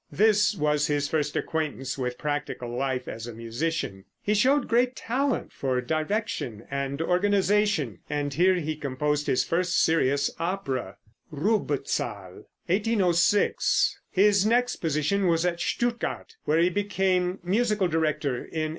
This was his first acquaintance with practical life as a musician. He showed great talent for direction and organization, and here he composed his first serious opera "Rubezahl" (1806). His next position was at Stuttgart, where he became musical director in 1807.